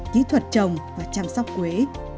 kỹ thuật trồng và chăm sóc quế